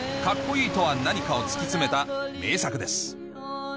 カッコいいとは何かを突き詰めた名作です